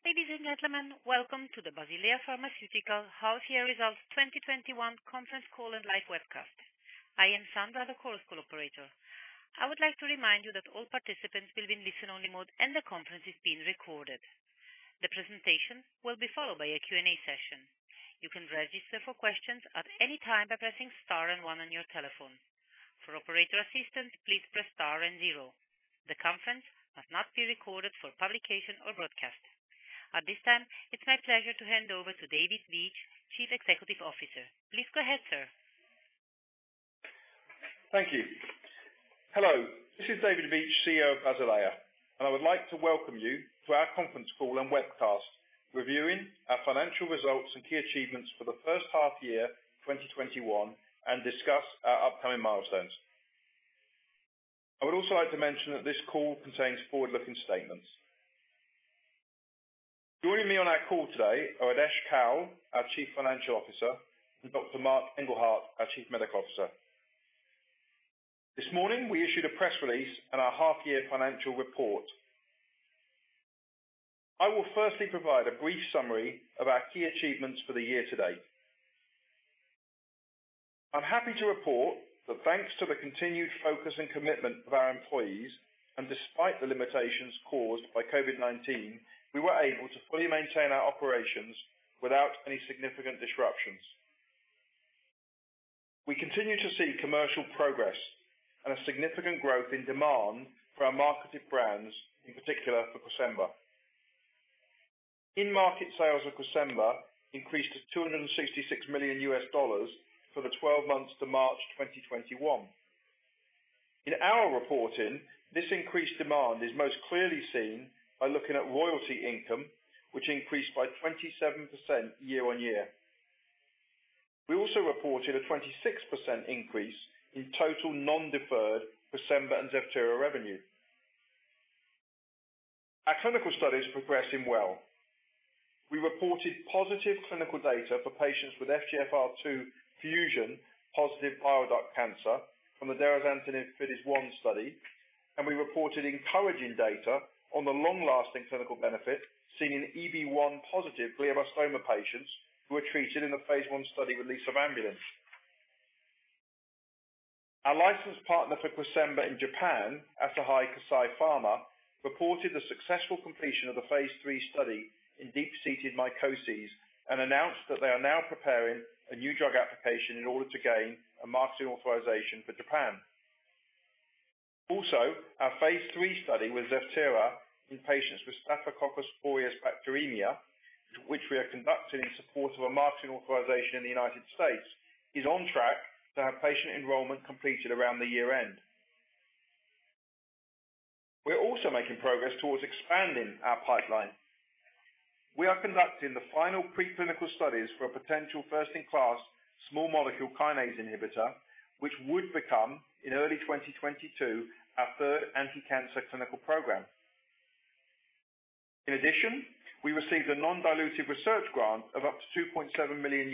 Ladies and gentlemen, welcome to the Basilea Pharmaceutica half-year results 2021 conference call and live webcast. I am Sandra, the Chorus Call operator. I would like to remind you that all participants will be in listen-only mode, and the conference is being recorded. The presentation will be followed by a Q&A session. You can register for questions at any time by pressing star and one on your telephone. For operator assistance, please press star and zero. The conference must not be recorded for publication or broadcast. At this time, it's my pleasure to hand over to David Veitch, Chief Executive Officer. Please go ahead, sir. Thank you. Hello, this is David Veitch, CEO of Basilea, and I would like to welcome you to our conference call and webcast reviewing our financial results and key achievements for the first half-year 2021 and discuss our upcoming milestones. I would also like to mention that this call contains forward-looking statements. Joining me on our call today are Adesh Kaul, our Chief Financial Officer, and Dr. Marc Engelhardt, our Chief Medical Officer. This morning we issued a press release on our half-year financial report. I will firstly provide a brief summary of our key achievements for the year-to-date. I'm happy to report that thanks to the continued focus and commitment of our employees, and despite the limitations caused by COVID-19, we were able to fully maintain our operations without any significant disruptions. We continue to see commercial progress and a significant growth in demand for our marketed brands, in particular for CRESEMBA. In-market sales of CRESEMBA increased to $266 million for the 12 months to March 2021. In our reporting, this increased demand is most clearly seen by looking at royalty income, which increased by 27% year-on-year. We also reported a 26% increase in total non-deferred CRESEMBA and ZEVTERA revenue. Our clinical study is progressing well. We reported positive clinical data for patients with FGFR2 fusion-positive bile duct cancer from the derazantinib FIDES-01 study, and we reported encouraging data on the long-lasting clinical benefit seen in EB1 positive glioblastoma patients who were treated in the phase I study with lisavanbulin. Our licensed partner for CRESEMBA in Japan, Asahi Kasei Pharma, reported the successful completion of the phase III study in deep-seated mycoses and announced that they are now preparing a new drug application in order to gain a marketing authorization for Japan. Our phase III study with ZEVTERA in patients with Staphylococcus aureus bacteremia, which we are conducting in support of a marketing authorization in the United States, is on track to have patient enrollment completed around the year-end. We're also making progress towards expanding our pipeline. We are conducting the final preclinical studies for a potential first-in-class small molecule kinase inhibitor, which would become, in early 2022, our third anti-cancer clinical program. In addition, we received a non-dilutive research grant of up to $2.7 million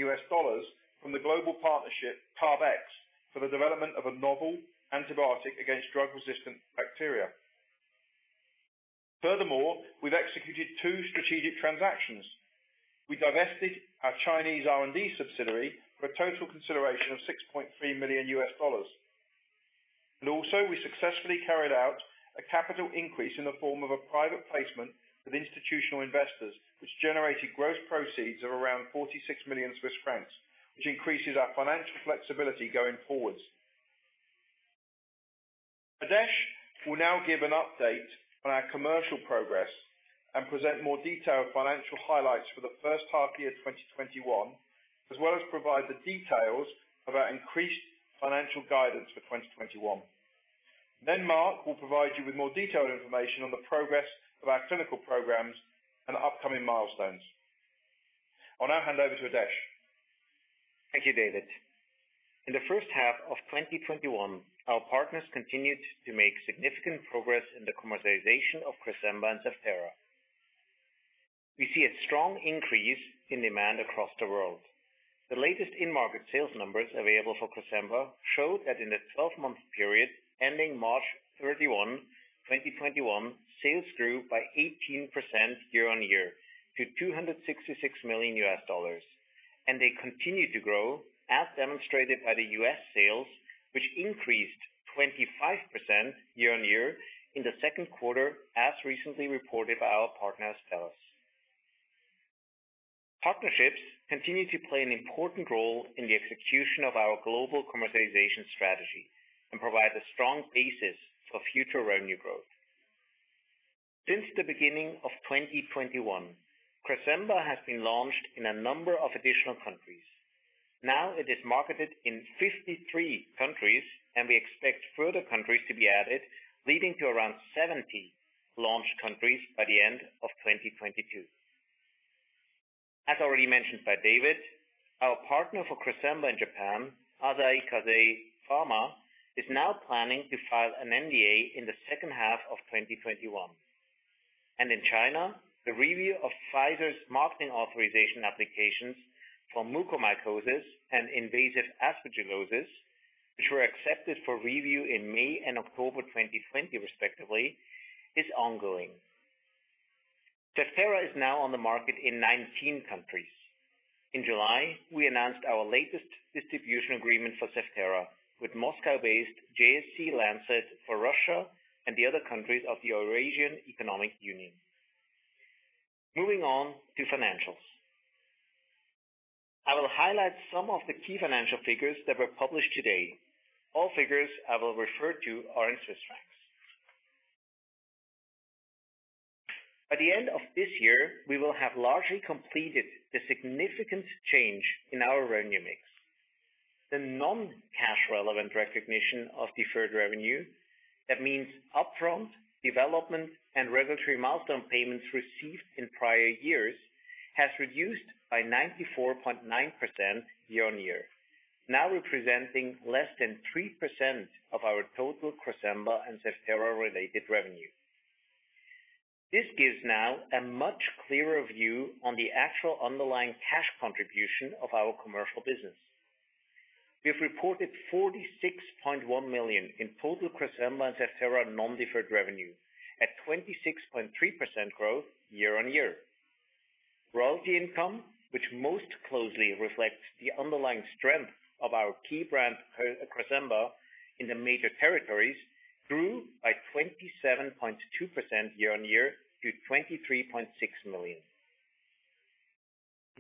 from the global partnership, CARB-X, for the development of a novel antibiotic against drug-resistant bacteria. Furthermore, we've executed two strategic transactions. We divested our Chinese R&D subsidiary for a total consideration of CHF 6.3 million. Also, we successfully carried out a capital increase in the form of a private placement with institutional investors, which generated gross proceeds of around 46 million Swiss francs, which increases our financial flexibility going forwards. Adesh will now give an update on our commercial progress and present more detailed financial highlights for the first half-year 2021, as well as provide the details of our increased financial guidance for 2021. Marc will provide you with more detailed information on the progress of our clinical programs and upcoming milestones. I'll now hand over to Adesh. Thank you, David. In the first half of 2021, our partners continued to make significant progress in the commercialization of CRESEMBA and ZEVTERA. We see a strong increase in demand across the world. The latest in-market sales numbers available for CRESEMBA show that in the 12-month period ending March 31, 2021, sales grew by 18% year-on-year to $266 million. They continue to grow, as demonstrated by the U.S. sales, which increased 25% year-on-year in the second quarter, as recently reported by our partner, Astellas. Partnerships continue to play an important role in the execution of our global commercialization strategy and provide a strong basis for future revenue growth. Since the beginning of 2021, CRESEMBA has been launched in a number of additional countries. Now it is marketed in 53 countries, and we expect further countries to be added, leading to around 70 launch countries by the end of 2022. As already mentioned by David, our partner for CRESEMBA in Japan, Asahi Kasei Pharma, is now planning to file an NDA in the second half of 2021. In China, the review of Pfizer's marketing authorization applications for mucormycosis and invasive aspergillosis, which were accepted for review in May and October 2020, respectively, is ongoing. ZEVTERA is now on the market in 19 countries. In July, we announced our latest distribution agreement for ZEVTERA with Moscow-based JSC Lancet for Russia and the other countries of the Eurasian Economic Union. Moving on to financials. I will highlight some of the key financial figures that were published today. All figures I will refer to are in Swiss francs. By the end of this year, we will have largely completed the significant change in our revenue mix. The non-cash relevant recognition of deferred revenue, that means upfront development and regulatory milestone payments received in prior years, has reduced by 94.9% year-on-year, now representing less than 3% of our total CRESEMBA and ZEVTERA related revenue. This gives now a much clearer view on the actual underlying cash contribution of our commercial business. We have reported 46.1 million in total CRESEMBA and ZEVTERA non-deferred revenue at 26.3% growth year-on-year. Royalty income, which most closely reflects the underlying strength of our key brand CRESEMBA in the major territories, grew by 27.2% year-on-year to 23.6 million.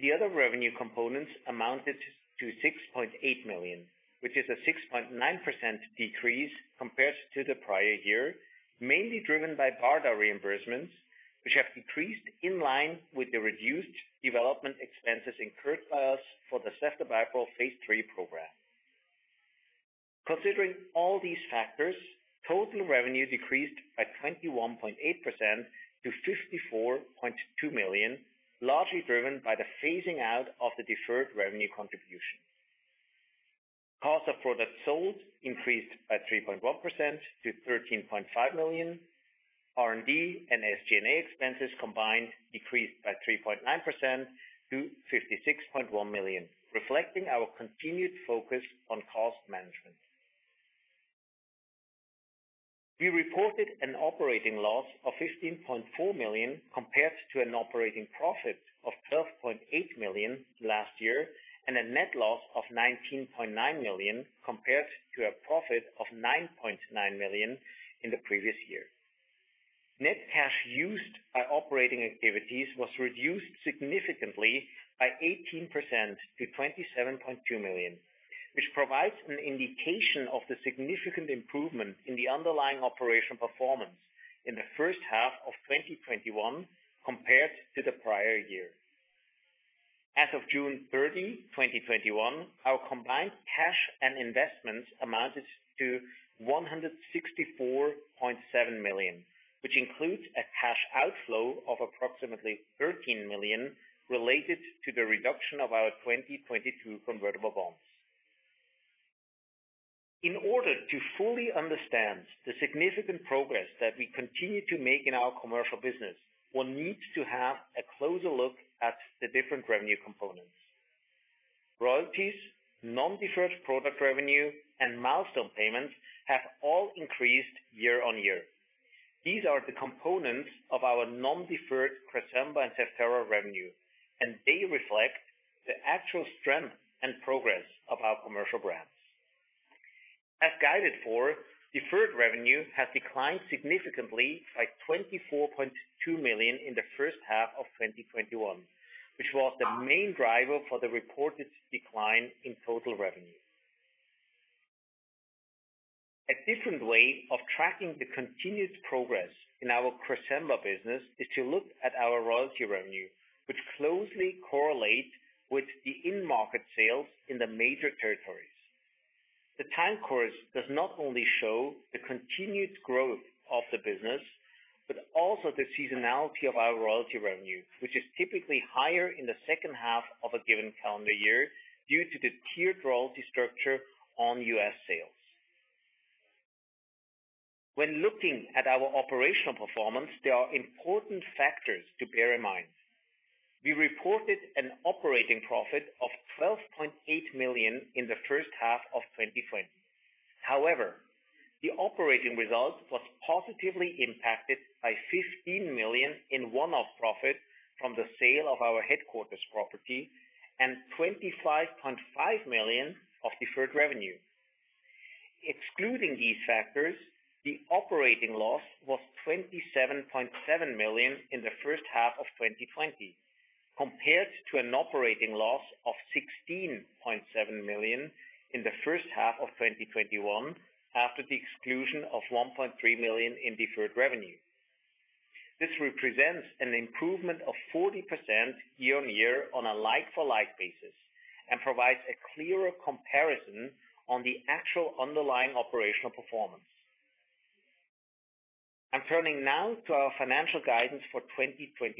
The other revenue components amounted to 6.8 million, which is a 6.9% decrease compared to the prior year, mainly driven by BARDA reimbursements, which have decreased in line with the reduced development expenses incurred by us for the ceftobiprole phase III program. Considering all these factors, total revenue decreased by 21.8% to 54.2 million, largely driven by the phasing out of the deferred revenue contribution. Cost of products sold increased by 3.1% to 13.5 million, R&D and SG&A expenses combined decreased by 3.9% to 56.1 million, reflecting our continued focus on cost management. We reported an operating loss of 15.4 million compared to an operating profit of 12.8 million last year, and a net loss of 19.9 million compared to a profit of 9.9 million in the previous year. Net cash used by operating activities was reduced significantly by 18% to 27.2 million, which provides an indication of the significant improvement in the underlying operational performance in the first half of 2021 compared to the prior year. As of June 30, 2021, our combined cash and investments amounted to 164.7 million, which includes a cash outflow of approximately 13 million related to the reduction of our 2022 convertible bonds. In order to fully understand the significant progress that we continue to make in our commercial business, one needs to have a closer look at the different revenue components. Royalties, non-deferred product revenue, and milestone payments have all increased year-over-year. These are the components of our non-deferred CRESEMBA and ZEVTERA revenue, and they reflect the actual strength and progress of our commercial brands. As guided for, deferred revenue has declined significantly by 24.2 million in the first half of 2021, which was the main driver for the reported decline in total revenue. A different way of tracking the continuous progress in our CRESEMBA business is to look at our royalty revenue, which closely correlates with the in-market sales in the major territories. The time course does not only show the continued growth of the business, but also the seasonality of our royalty revenue, which is typically higher in the second half of a given calendar year due to the tiered royalty structure on U.S. sales. When looking at our operational performance, there are important factors to bear in mind. We reported an operating profit of 12.8 million in the first half of 2020. The operating result was positively impacted by 15 million in one-off profit from the sale of our headquarters property and 25.5 million of deferred revenue. Excluding these factors, the operating loss was 27.7 million in the first half of 2020, compared to an operating loss of 16.7 million in the first half of 2021 after the exclusion of 1.3 million in deferred revenue. This represents an improvement of 40% year-on-year on a like-for-like basis and provides a clearer comparison on the actual underlying operational performance. I'm turning now to our financial guidance for 2021.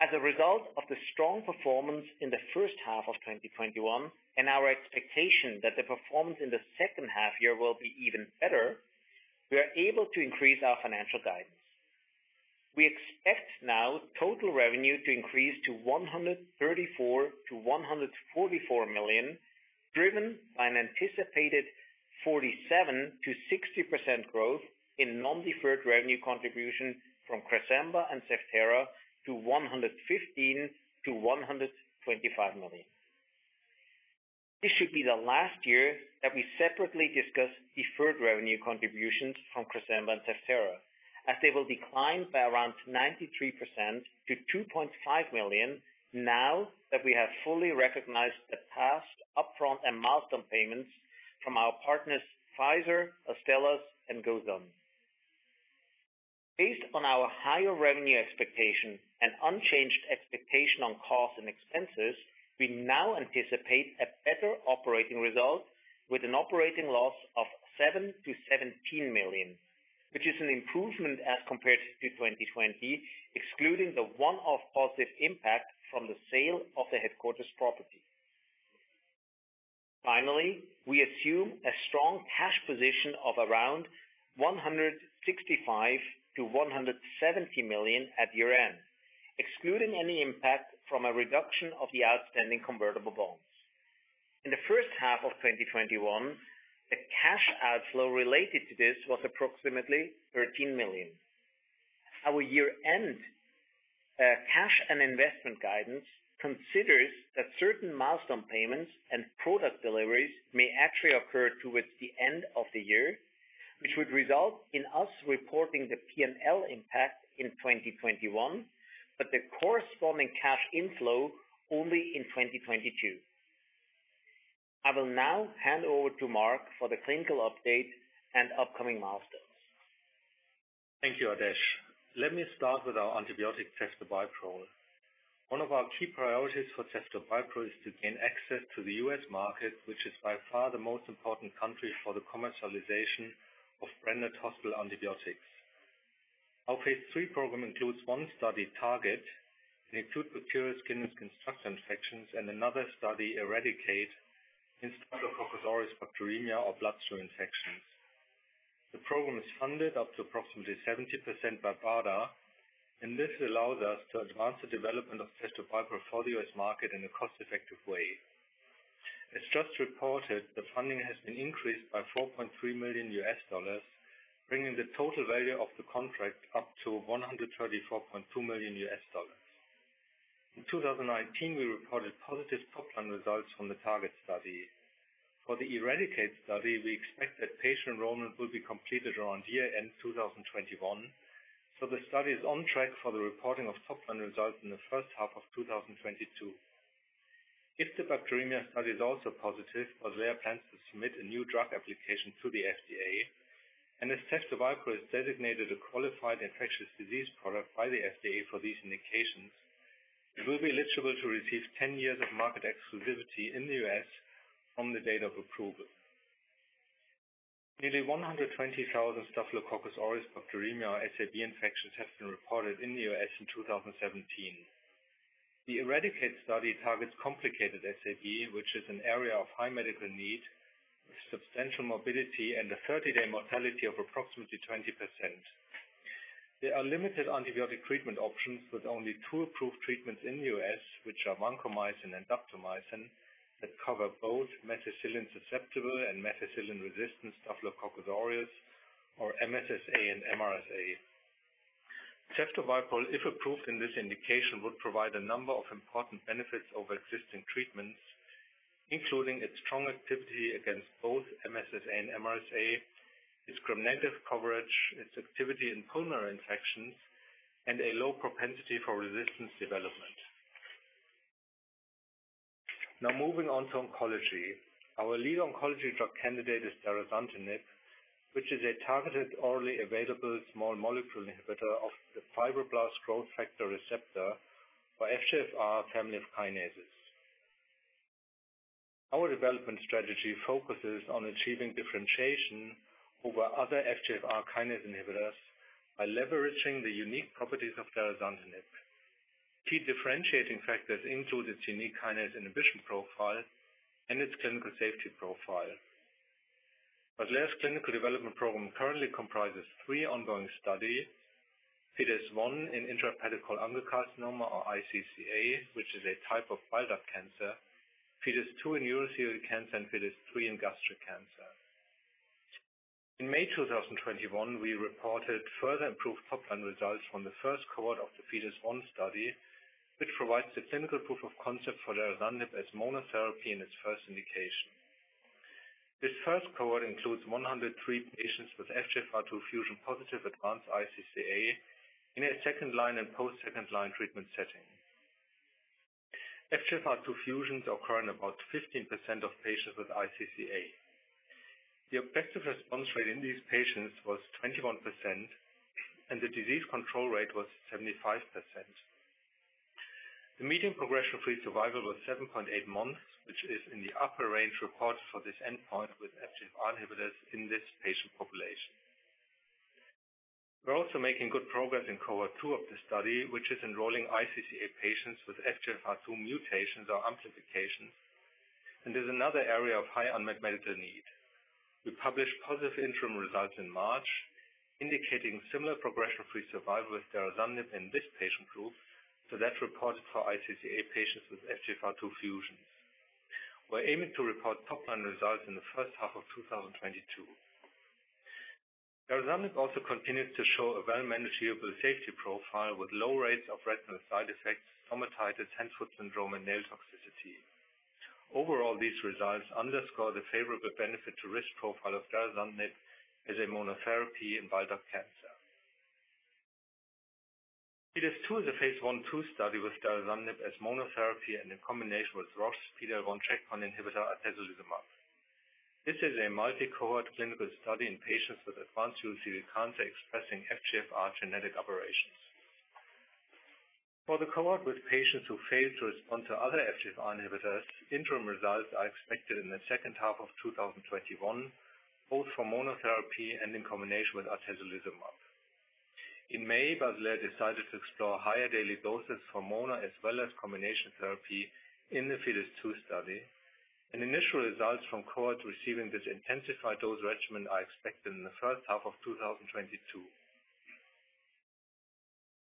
As a result of the strong performance in the first half of 2021 and our expectation that the performance in the second half year will be even better, we are able to increase our financial guidance. We expect now total revenue to increase to 134 million-144 million, driven by an anticipated 47%-60% growth in non-deferred revenue contribution from CRESEMBA and ZEVTERA to 115 million-125 million. This should be the last year that we separately discuss deferred revenue contributions from CRESEMBA and ZEVTERA, as they will decline by around 93% to 2.5 million now that we have fully recognized the past upfront and milestone payments from our partners Pfizer, Astellas, and Gosun. Based on our higher revenue expectation and unchanged expectation on costs and expenses, we now anticipate a better operating result with an operating loss of 7 million-17 million, which is an improvement as compared to 2020, excluding the one-off positive impact from the sale of the headquarters property. We assume a strong cash position of around 165 million-170 million at year-end, excluding any impact from a reduction of the outstanding convertible bonds. In the first half of 2021, the cash outflow related to this was approximately 13 million. Our year-end cash and investment guidance considers that certain milestone payments and product deliveries may actually occur towards the end of the year, which would result in us reporting the P&L impact in 2021, but the corresponding cash inflow only in 2022. I will now hand over to Marc for the clinical update and upcoming milestones. Thank you, Adesh. Let me start with our antibiotic, ceftobiprole. One of our key priorities for ceftobiprole is to gain access to the U.S. market, which is by far the most important country for the commercialization of branded hospital antibiotics. Our phase III program includes one study, TARGET, in acute bacterial skin and skin structure infections, and another study, ERADICATE, in Staphylococcus aureus bacteremia or bloodstream infections. The program is funded up to approximately 70% by BARDA, this allows us to advance the development of ceftobiprole for the U.S. market in a cost-effective way. As just reported, the funding has been increased by $4.3 million, bringing the total value of the contract up to $134.2 million. In 2019, we reported positive top-line results from the TARGET study. For the ERADICATE study, we expect that patient enrollment will be completed around year-end 2021. The study is on track for the reporting of top-line results in the first half of 2022. If the bacteremia study is also positive, Basilea plans to submit a new drug application to the FDA, and if ceftobiprole is designated a Qualified Infectious Disease Product by the FDA for these indications, it will be eligible to receive 10 years of market exclusivity in the U.S. from the date of approval. Nearly 120,000 Staphylococcus aureus bacteremia or SAB infections have been reported in the U.S. in 2017. The ERADICATE study targets complicated SAB, which is an area of high medical need with substantial morbidity and a 30-day mortality of approximately 20%. There are limited antibiotic treatment options, with only two approved treatments in the U.S., which are vancomycin and daptomycin, that cover both Methicillin-Susceptible and Methicillin-resistant Staphylococcus aureus, or MSSA and MRSA. ceftobiprole, if approved in this indication, would provide a number of important benefits over existing treatments, including its strong activity against both MSSA and MRSA, its gram-negative coverage, its activity in pulmonary infections, and a low propensity for resistance development. Moving on to oncology. Our lead oncology drug candidate is derazantinib, which is a targeted orally available small molecule inhibitor of the fibroblast growth factor receptor, or FGFR, family of kinases. Our development strategy focuses on achieving differentiation over other FGFR kinase inhibitors by leveraging the unique properties of derazantinib. Key differentiating factors include its unique kinase inhibition profile and its clinical safety profile. Basilea's clinical development program currently comprises three ongoing studies, FIDES-01 in intrahepatic cholangiocarcinoma, or iCCA, which is a type of bile duct cancer, FIDES-02 in urothelial cancer, and FIDES-03 in gastric cancer. In May 2021, we reported further improved top-line results from the first cohort of the FIDES-01 study, which provides the clinical proof of concept for derazantinib as monotherapy in its first indication. This first cohort includes 103 patients with FGFR2 fusion-positive advanced iCCA in a second-line and post-second-line treatment setting. FGFR2 fusions occur in about 15% of patients with iCCA. The objective response rate in these patients was 21%, and the disease control rate was 75%. The median progression-free survival was 7.8 months, which is in the upper range reported for this endpoint with FGFR inhibitors in this patient population. We're also making good progress in Cohort 2 of the study, which is enrolling iCCA patients with FGFR2 mutations or amplifications. Is another area of high unmet medical need. We published positive interim results in March, indicating similar progression-free survival with derazantinib in this patient group to that reported for iCCA patients with FGFR2 fusions. We're aiming to report top-line results in the first half of 2022. Derazantinib also continues to show a well-manageable safety profile with low rates of retinal side effects, stomatitis, hand-foot syndrome, and nail toxicity. Overall, these results underscore the favorable benefit-to-risk profile of derazantinib as a monotherapy in bile duct cancer. FIDES-02 is a phase I/II study with derazantinib as monotherapy and in combination with Roche's PD-L1 checkpoint inhibitor, atezolizumab. This is a multi-cohort clinical study in patients with advanced urothelial cancer expressing FGFR genetic aberrations. For the cohort with patients who failed to respond to other FGFR inhibitors, interim results are expected in the second half of 2021, both for monotherapy and in combination with atezolizumab. In May, Basilea decided to explore higher daily doses for mono as well as combination therapy in the FIDES-02 study. Initial results from cohorts receiving this intensified dose regimen are expected in the first half of 2022.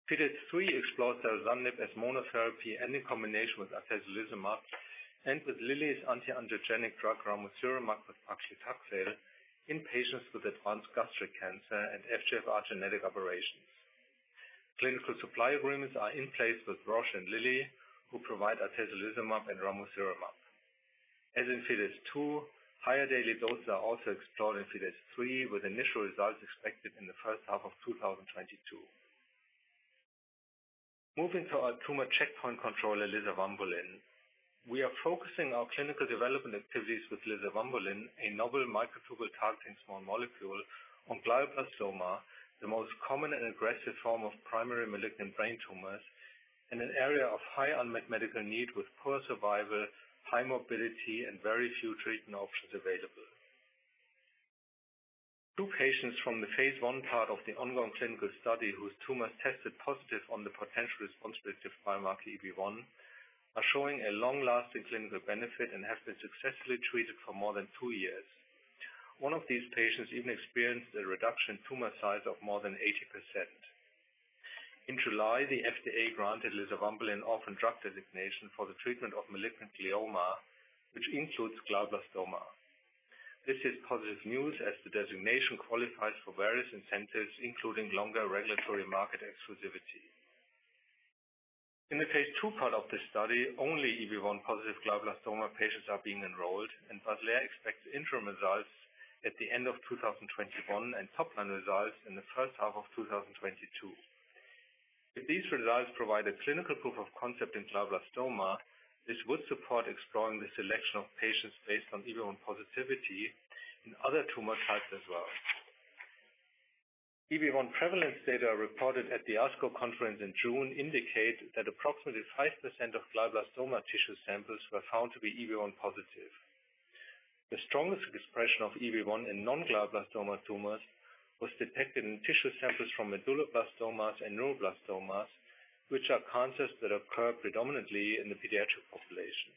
FIDES-03 explores derazantinib as monotherapy and in combination with atezolizumab and with Lilly's anti-angiogenic drug ramucirumab with paclitaxel in patients with advanced gastric cancer and FGFR genetic aberrations. Clinical supply agreements are in place with Roche and Lilly, who provide atezolizumab and ramucirumab. As in FIDES-02, higher daily doses are also explored in FIDES-03, with initial results expected in the first half of 2022. Moving to our tumor checkpoint controller, lisavanbulin. We are focusing our clinical development activities with lisavanbulin, a novel microtubule-targeting small molecule on glioblastoma, the most common and aggressive form of primary malignant brain tumors in an area of high unmet medical need with poor survival, high morbidity, and very few treatment options available. Two patients from the phase I part of the ongoing clinical study, whose tumors tested positive on the potential response rate to biomarker EB1, are showing a long-lasting clinical benefit and have been successfully treated for more than two years. One of these patients even experienced a reduction in tumor size of more than 80%. In July, the FDA granted lisavanbulin Orphan Drug Designation for the treatment of malignant glioma, which includes glioblastoma. This is positive news as the designation qualifies for various incentives, including longer regulatory market exclusivity. In the phase II part of this study, only EB1-positive glioblastoma patients are being enrolled, and Basilea expects interim results at the end of 2021 and top-line results in the first half of 2022. If these results provide a clinical proof of concept in glioblastoma, this would support exploring the selection of patients based on EB1 positivity in other tumor types as well. EB1 prevalence data reported at the ASCO conference in June indicate that approximately 5% of glioblastoma tissue samples were found to be EB1 positive. The strongest expression of EB1 in non-glioblastoma tumors was detected in tissue samples from medulloblastomas and neuroblastomas, which are cancers that occur predominantly in the pediatric population.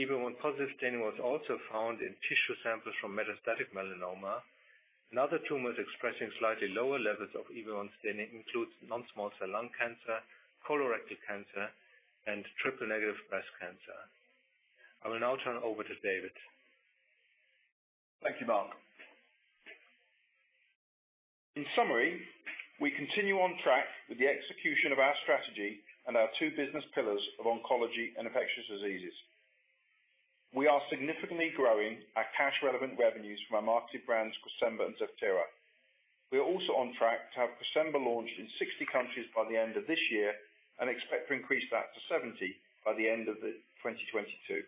EB1-positive staining was also found in tissue samples from metastatic melanoma and other tumors expressing slightly lower levels of EB1 staining includes non-small cell lung cancer, colorectal cancer, and triple-negative breast cancer. I will now turn over to David. Thank you, Marc. In summary, we continue on track with the execution of our strategy and our two business pillars of oncology and infectious diseases. We are significantly growing our cash-relevant revenues from our marketed brands CRESEMBA and ZEVTERA. We are also on track to have CRESEMBA launched in 60 countries by the end of this year and expect to increase that to 70 by the end of 2022.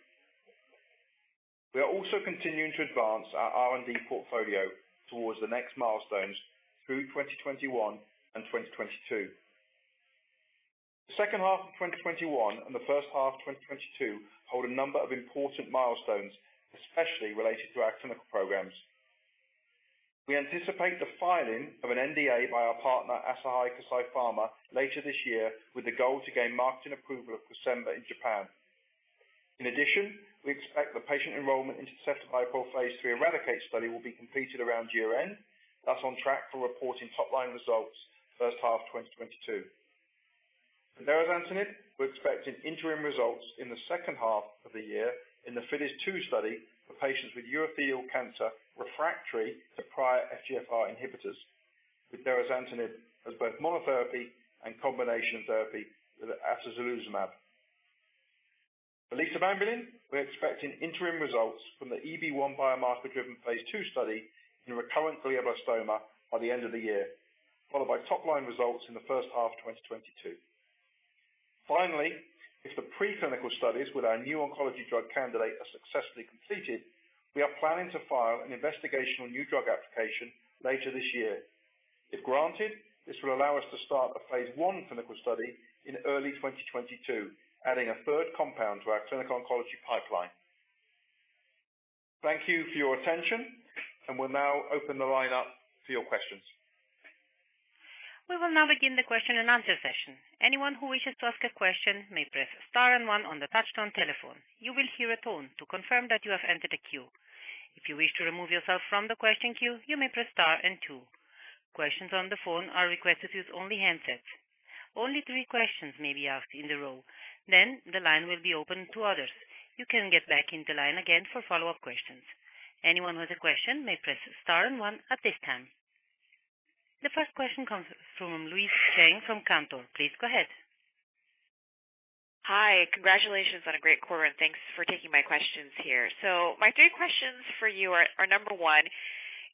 We are also continuing to advance our R&D portfolio towards the next milestones through 2021 and 2022. The second half of 2021 and the first half of 2022 hold a number of important milestones, especially related to our clinical programs. We anticipate the filing of an NDA by our partner, Asahi Kasei Pharma, later this year with the goal to gain marketing approval of CRESEMBA in Japan. In addition, we expect the patient enrollment into ZEVTERA phase III ERADICATE study will be completed around year-end. On track for reporting top-line results first half 2022. For derazantinib, we're expecting interim results in the second half of the year in the FIDES-02 study for patients with urothelial cancer refractory to prior FGFR inhibitors, with derazantinib as both monotherapy and combination therapy with atezolizumab. For lisavanbulin, we're expecting interim results from the EB1 biomarker-driven phase II study in recurrent glioblastoma by the end of the year, followed by top-line results in the first half of 2022. Finally, if the preclinical studies with our new oncology drug candidate are successfully completed, we are planning to file an Investigational New Drug application later this year. If granted, this will allow us to start a phase I clinical study in early 2022, adding a third compound to our clinical oncology pipeline. Thank you for your attention. We'll now open the line up for your questions. We will now begin the question-and-answer session. Anyone who wishes to ask a question may press star one on the touch-tone telephone. You will hear a tone to confirm that you have entered the queue. If you wish to remove yourself from the question queue, you may press star two. Questions on the phone are requested to use only handsets. Only three questions may be asked in the row. The line will be open to others. You can get back in the line again for follow-up questions. Anyone with a question may press star one at this time. The first question comes from Louise Chen from Cantor. Please go ahead. Hi. Congratulations on a great quarter, and thanks for taking my questions here. My three questions for you are, number one,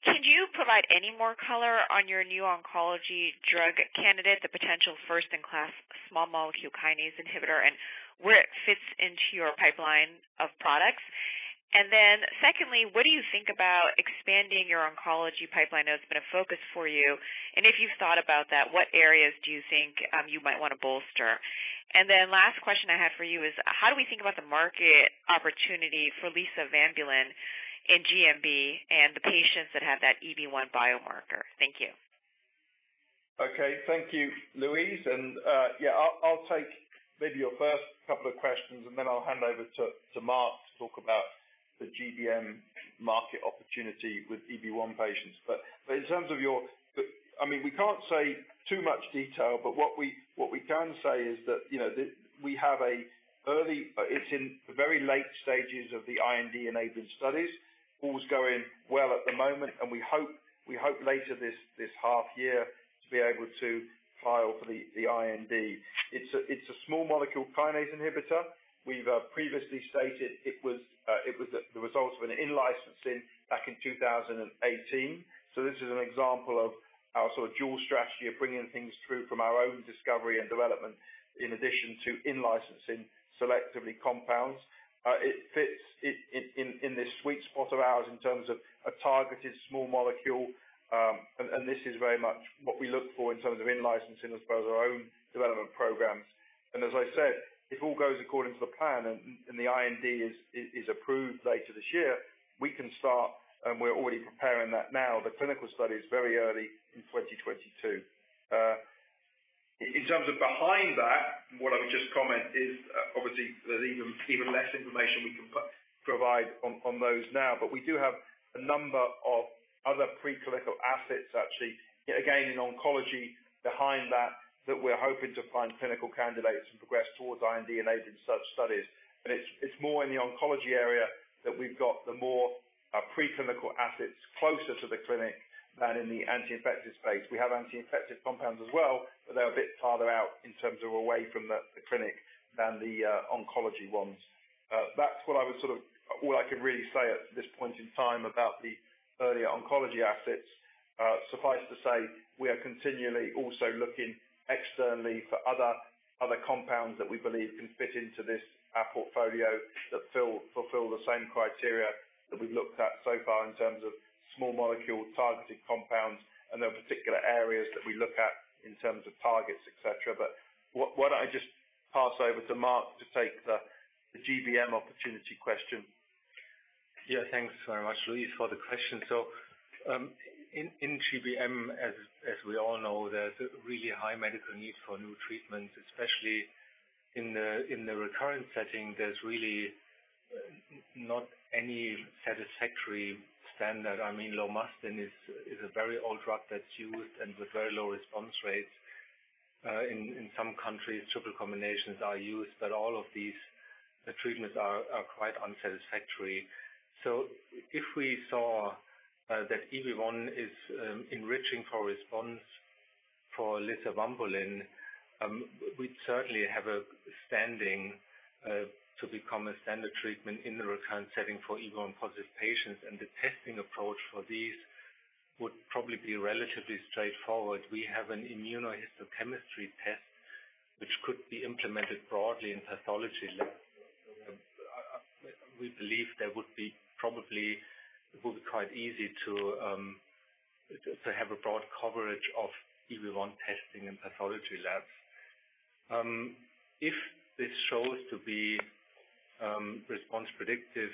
can you provide any more color on your new oncology drug candidate, the potential first-in-class small molecule kinase inhibitor, and where it fits into your pipeline of products? Secondly, what do you think about expanding your oncology pipeline? I know it's been a focus for you, and if you've thought about that, what areas do you think you might want to bolster? Last question I have for you is, how do we think about the market opportunity for lisavanbulin in GBM and the patients that have that EB1 biomarker? Thank you. Okay. Thank you, Louise. Yeah, I'll take maybe your first couple of questions, and then I'll hand over to Marc to talk about the GBM market opportunity with EB1 patients. It's in the very late stages of the IND-enabling studies. All is going well at the moment. We hope later this half-year to be able to file for the IND. It's a small molecule kinase inhibitor. We've previously stated it was the result of an in-licensing back in 2018. This is an example of our sort of dual strategy of bringing things through from our own discovery and development, in addition to in-licensing selectively compounds. It fits in this sweet spot of ours in terms of a targeted small molecule, and this is very much what we look for in terms of in-licensing as well as our own development programs. As I said, if all goes according to the plan and the IND is approved later this year, we can start, and we're already preparing that now, the clinical studies very early in 2022. In terms of behind that, what I would just comment is, obviously, there's even less information we can provide on those now. We do have a number of other preclinical assets, actually, yet again, in oncology behind that we're hoping to find clinical candidates and progress towards IND-enabling such studies. It's more in the oncology area that we've got the more preclinical assets closer to the clinic than in the anti-infective space. We have anti-infective compounds as well, but they're a bit farther out in terms of away from the clinic than the oncology ones. That's all I can really say at this point in time about the earlier oncology assets. Suffice to say, we are continually also looking externally for other compounds that we believe can fit into this portfolio that fulfill the same criteria that we've looked at so far in terms of small molecule-targeted compounds and the particular areas that we look at in terms of targets, et cetera. Why don't I just pass over to Marc to take the GBM opportunity question. Yeah. Thanks very much, Louise, for the question. In GBM, as we all know, there's a really high medical need for new treatments, especially in the recurrent setting. There's really not any satisfactory standard. I mean, lomustine is a very old drug that's used and with very low response rates. In some countries, triple combinations are used, all of these treatments are quite unsatisfactory. If we saw that EB1 is enriching for response for lisavanbulin, we'd certainly have a standing to become a standard treatment in the recurrent setting for EB1-positive patients, the testing approach for these would probably be relatively straightforward. We have an immunohistochemistry test which could be implemented broadly in pathology labs. We believe it would be quite easy to have a broad coverage of EB1 testing in pathology labs. If this shows to be response predictive,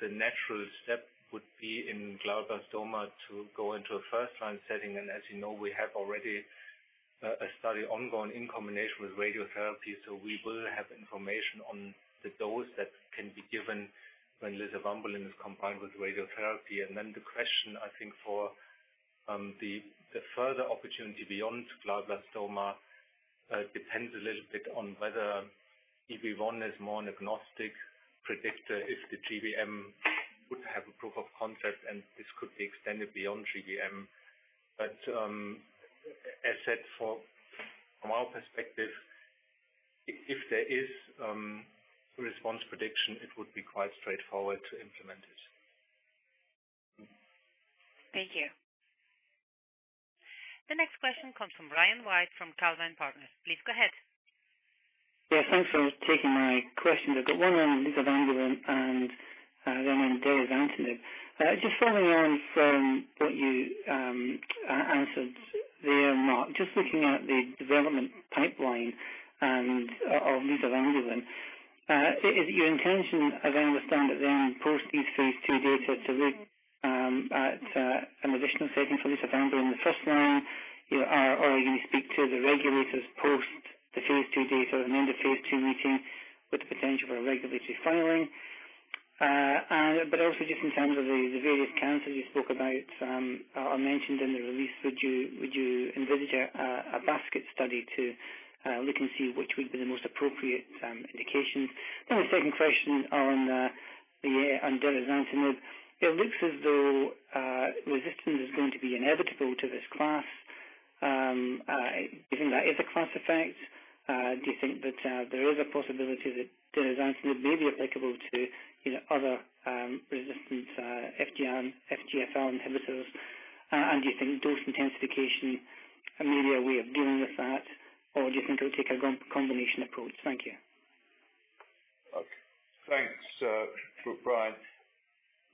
the natural step would be in glioblastoma to go into a first-line setting. As you know, we have already a study ongoing in combination with radiotherapy, so we will have information on the dose that can be given when lisavanbulin is combined with radiotherapy. Then the question, I think, for the further opportunity beyond glioblastoma depends a little bit on whether EB1 is more an agnostic predictor if the GBM would have a proof of concept, and this could be extended beyond GBM. As said, from our perspective, if there is response prediction, it would be quite straightforward to implement it. Thank you. The next question comes from Brian White from Calvine Partners. Please go ahead. Thanks for taking my questions. I've got one on lisavanbulin and then on derazantinib. Just following on from what you answered there, Marc, just looking at the development pipeline of lisavanbulin. Is it your intention, as I understand it then, post these phase II data to look at an additional setting for lisavanbulin in the first line, or are you going to speak to the regulators post the phase II data and end-of-phase II meeting with the potential for a regulatory filing? Also, just in terms of the various cancers you spoke about or mentioned in the release, would you envisage a basket study to look and see which would be the most appropriate indications? The second question on the derazantinib. It looks as though resistance is going to be inevitable to this class. Do you think that is a class effect? Do you think that there is a possibility that the derazantinib may be applicable to other resistant FGFR inhibitors? Do you think dose intensification may be a way of dealing with that, or do you think it will take a combination approach? Thank you. Okay. Thanks, Brian,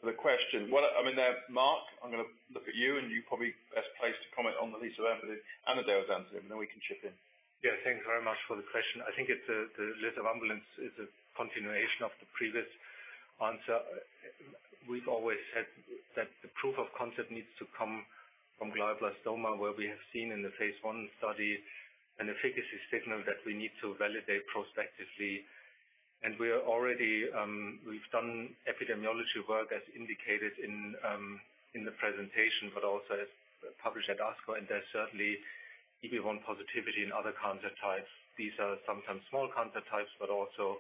for the question. Marc, I'm going to look at you, and you're probably best placed to comment on the lisavanbulin and the derazantinib, and then we can chip in. Yeah. Thank you very much for the question. I think the lisavanbulin is a continuation of the previous answer. We've always said that the proof of concept needs to come from glioblastoma, where we have seen in the phase I study an efficacy signal that we need to validate prospectively. We've done epidemiology work as indicated in the presentation, but also as published at ASCO, and there's certainly EB1 positivity in other cancer types. These are sometimes small cancer types, but also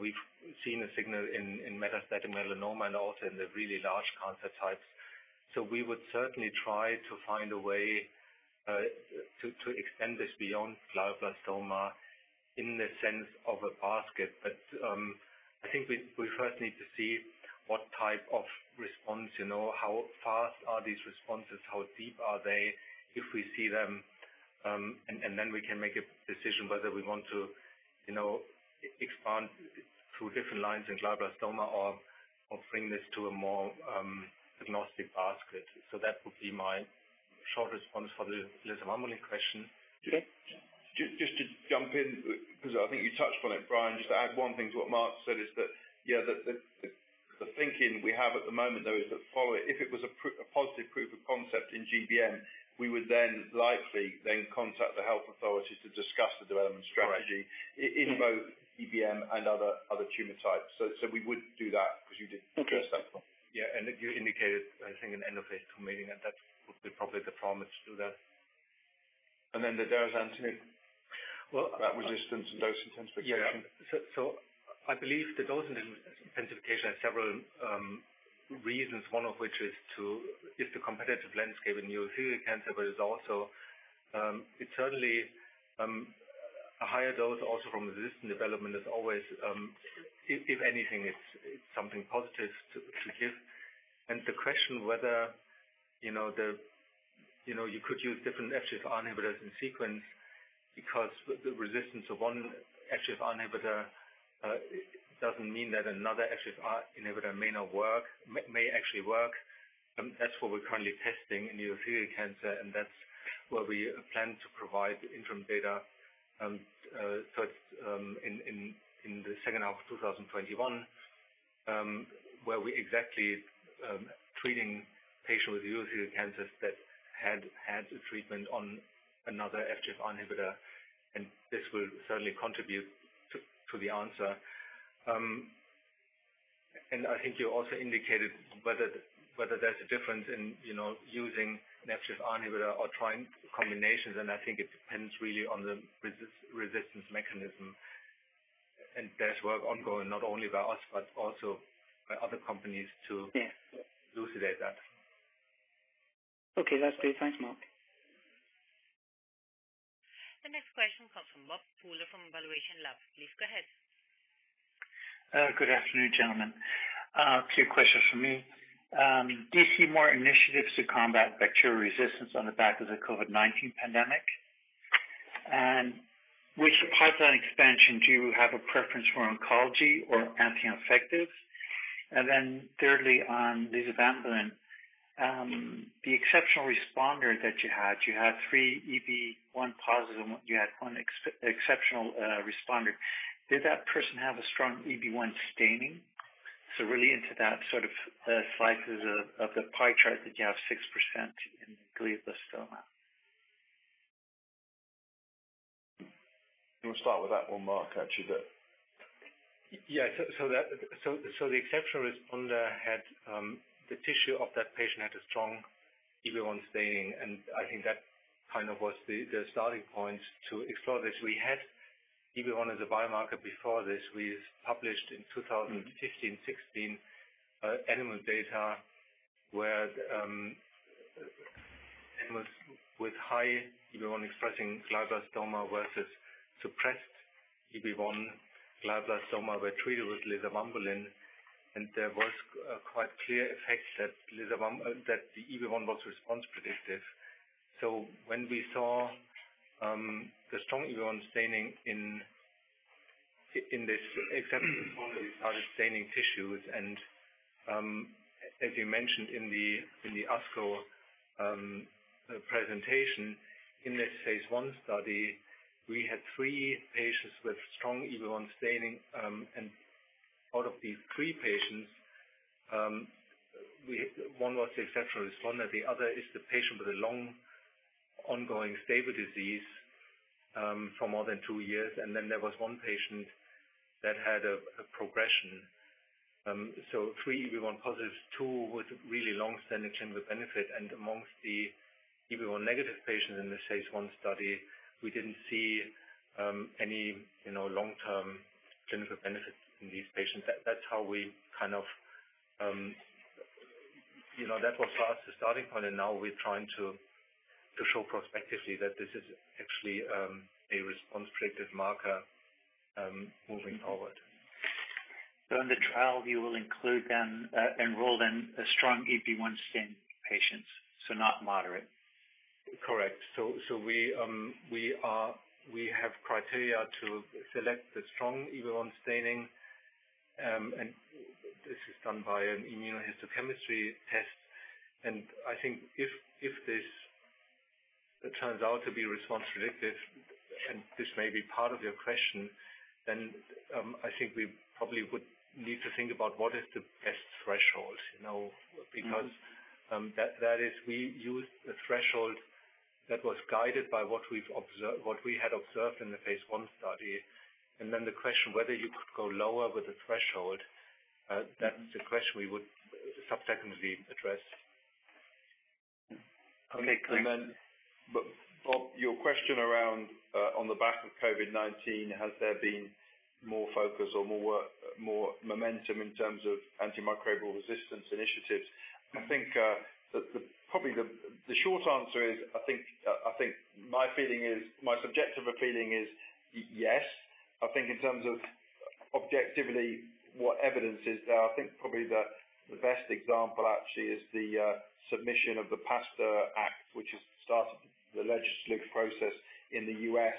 we've seen a signal in metastatic melanoma and also in the really large cancer types. We would certainly try to find a way to extend this beyond glioblastoma in the sense of a basket. I think we first need to see what type of response, how fast are these responses, how deep are they, if we see them, and then we can make a decision whether we want to expand to different lines in glioblastoma or bring this to a more agnostic basket. That would be my short response for the lisavanbulin question. Just to jump in, because I think you touched on it, Brian, just to add one thing to what Marc said, is that the thinking we have at the moment, though, is that if it was a positive proof of concept in GBM, we would then likely contact the health authorities to discuss the development strategy in both GBM and other tumor types. We would do that because you did address that point. Yeah, you indicated, I think, in end-of-phase II meeting that that would be probably the plan to do that. The derazantinib. Well- That resistance and dose intensification. Yeah. I believe the dose intensification has several reasons, one of which is the competitive landscape in urothelial cancer, but it's certainly a higher dose also from resistance development is always, if anything, it's something positive to give. To question whether you could use different FGFR inhibitors in sequence because the resistance of one FGFR inhibitor doesn't mean that another FGFR inhibitor may not work, may actually work. That's what we're currently testing in urothelial cancer, that's where we plan to provide interim data in the second half of 2021, where we exactly treating patients with urothelial cancers that had had a treatment on another FGFR inhibitor, this will certainly contribute to the answer. I think you also indicated whether there's a difference in using an FGFR inhibitor or trying combinations, I think it depends really on the resistance mechanism. There's work ongoing, not only by us, but also by other companies. Yeah elucidate that. Okay. That's great. Thanks, Marc. The next question comes from Bob Pooler from valuationLAB. Please go ahead. Good afternoon, gentlemen. Two questions from me. Do you see more initiatives to combat bacterial resistance on the back of the COVID-19 pandemic? Which pipeline expansion do you have a preference for, oncology or anti-infectives? Thirdly, on lisavanbulin, the exceptional responder that you had, you had three EB1-positive, and you had one exceptional responder. Did that person have a strong EB1 staining? Really into that sort of slices of the pie chart that you have 6% in glioblastoma. We'll start with that one, Marc, actually. Yeah. The exceptional responder, the tissue of that patient had a strong EB1 staining, and I think that kind of was the starting point to explore this. We had EB1 as a biomarker before this. We published in 2015, 2016 animal data where animals with high EB1-expressing glioblastoma versus suppressed EB1 glioblastoma were treated with lisavanbulin, and there was a quite clear effect that the EB1 was response predictive. When we saw the strong EB1 staining in this exceptional participating tissues, as you mentioned in the ASCO presentation, in this phase I study, we had three patients with strong EB1 staining. Out of these three patients, one was an exceptional responder. The other is the patient with a long ongoing stable disease for more than two years. There was 1 patient that had a progression. Three EB1-positives, two with really long-standing clinical benefit. Amongst the EB1-negative patients in this phase I study, we didn't see any long-term clinical benefit in these patients. That was our starting point. Now we're trying to show prospectively that this is actually a response predictive marker moving forward. In the trial, you will enroll then strong EB1 stain patients, so not moderate. Correct. We have criteria to select the strong EB1 staining, and this is done by an immunohistochemistry test. I think if this turns out to be response predictive, and this may be part of your question, then I think we probably would need to think about what is the best threshold. We used the threshold that was guided by what we had observed in the phase I study. The question whether you could go lower with the threshold, that's a question we would subsequently address. Okay, clear. Bob, your question around on the back of COVID-19, has there been more focus or more momentum in terms of antimicrobial resistance initiatives? I think probably the short answer is, my subjective feeling is yes. I think in terms of objectively what evidence is there, I think probably the best example actually is the submission of the PASTEUR Act, which has started the legislative process in the U.S.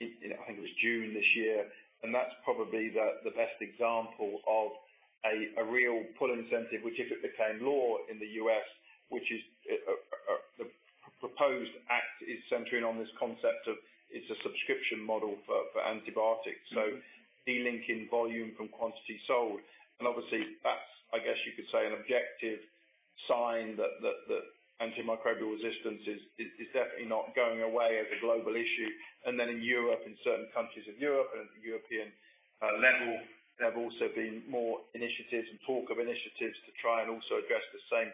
in, I think it was June this year. That's probably the best example of a real pull incentive, which if it became law in the U.S., which the proposed act is centering on this concept of it's a subscription model for antibiotics. De-linking volume from quantity sold. Obviously that's, I guess you could say, an objective sign that antimicrobial resistance is definitely not going away as a global issue. In Europe, in certain countries of Europe and at the European level, there have also been more initiatives and talk of initiatives to try and also address the same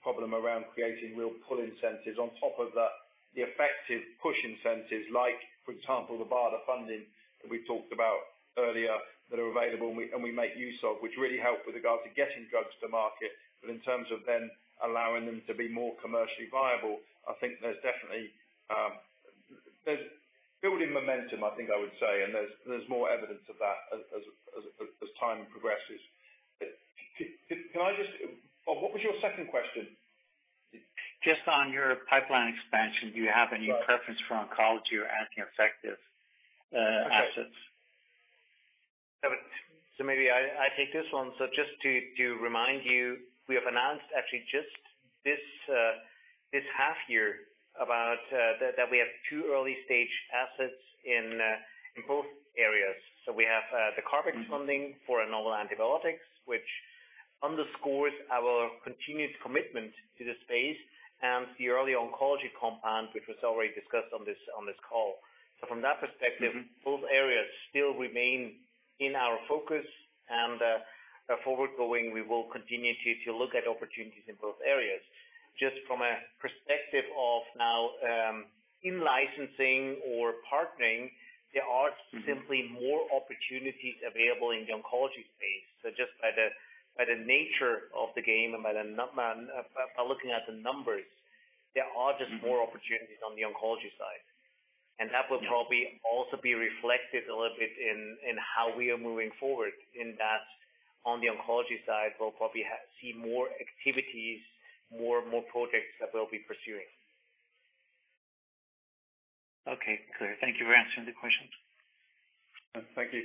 problem around creating real pull incentives. On top of that, the effective push incentives like, for example, the BARDA funding that we talked about earlier that are available and we make use of, which really help with regard to getting drugs to market. In terms of then allowing them to be more commercially viable, I think there's building momentum, I think I would say, and there's more evidence of that as time progresses. Bob, what was your second question? Just on your pipeline expansion, do you have any preference for oncology or anti-infective assets? Okay. Maybe I take this one. Just to remind you, we have announced actually just this half year that we have two early-stage assets in both areas. We have the CARB-X funding for our novel antibiotics, which underscores our continuous commitment to the space, and the early oncology compound, which was already discussed on this call. Both areas still remain in our focus. Forward going, we will continue to look at opportunities in both areas. Just from a perspective of now in-licensing or partnering, there are simply more opportunities available in the oncology space. Just by the nature of the game and by looking at the numbers, there are just more opportunities on the oncology side. That will probably also be reflected a little bit in how we are moving forward, in that on the oncology side, we'll probably see more activities, more projects that we'll be pursuing. Okay, clear. Thank you for answering the questions. Thank you.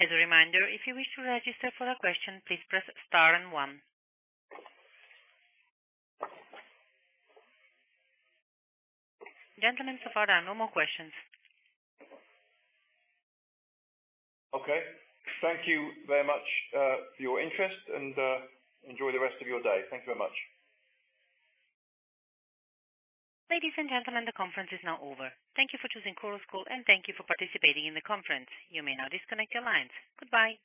As a reminder, if you wish to register for a question, please press star one. Gentlemen, so far there are no more questions. Okay Thank you very much for your interest, and enjoy the rest of your day. Thank you very much. Ladies and gentlemen, the conference is now over. Thank you for choosing Chorus Call, and thank you for participating in the conference. You may now disconnect your lines. Goodbye.